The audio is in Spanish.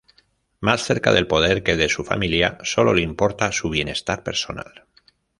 Más cerca del poder que de su familia, sólo le importa su bienestar personal.